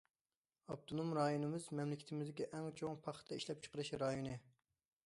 ئاپتونوم رايونىمىز مەملىكىتىمىزدىكى ئەڭ چوڭ پاختا ئىشلەپچىقىرىش رايونى.